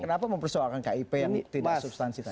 kenapa mempersoalkan kip yang tidak substansi tadi